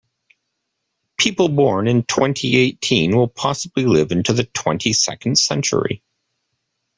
People born in twenty-eighteen will possibly live into the twenty-second century.